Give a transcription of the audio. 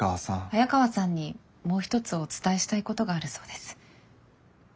早川さんにもう一つお伝えしたいことがあるそうです。